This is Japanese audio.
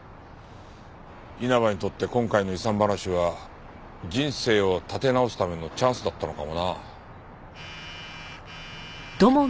稲葉にとって今回の遺産話は人生を立て直すためのチャンスだったのかもな。